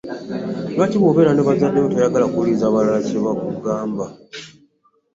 Lwaki wobeera ne bazadde bo toyagala kuwuliriza balala kyebakugamba?